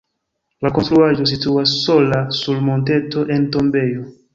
La konstruaĵo situas sola sur monteto en tombejo.